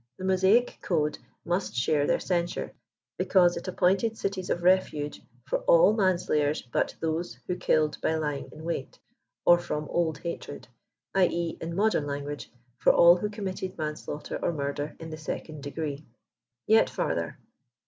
The Mosaic code must share their censure, because it ap^ pointed cities of refuge for all manslayers but those who killed by lying in wait, or from old hatred ; i. e. — in modern lapguage — for all who committed manslaughter or murder in the second degree. Yet farther.